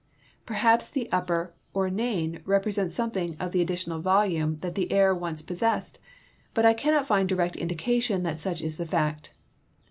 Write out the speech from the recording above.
Perhaps the upper Ornain represents something of the additional volume that the Aire once po.ssessed, but I cannot find direct indication tliat such is the fact.